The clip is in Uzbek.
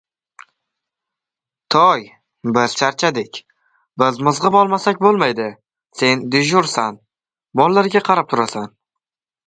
— Toy, biz charchadik. Bir mizg‘ib olmasak bo‘lmaydi. Sen dejursan, mollarga qarab turasan.